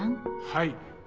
はい。